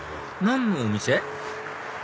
何のお店？